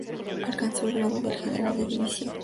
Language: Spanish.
Alcanzó el grado de General de división.